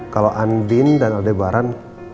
kalo andin dan aldebaran